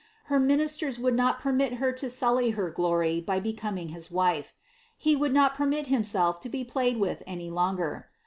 Her ministers would not permit her to sully her glory by becoming his wife. He would not permit himself to be played with any longer.